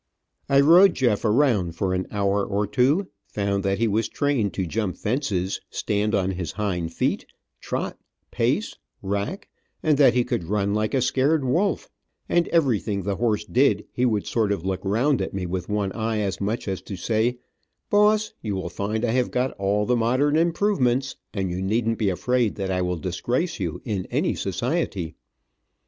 I rode Jeff around for an hour or two, found that he was trained to jump fences, stand on his hind feet, trot, pace, rack, and that he could run like a scared wolf, and everything the horse did he would sort of look around at me with one eye as much as to say, "Boss, you will find I have got all the modern improvements, and you needn't be afraid that I will disgrace you in any society."